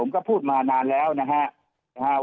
คือรวมผมก็พูดมานานแล้วนะครับ